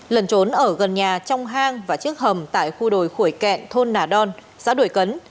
lần trốn ở gần nhà trong hang và chiếc hầm tại khu đồi khuổi kẹn thôn nà đon xã đuổi cấn